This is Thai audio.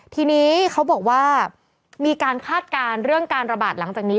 ทีนี้เขาบอกว่ามีการคาดการณ์เรื่องการระบาดหลังจากนี้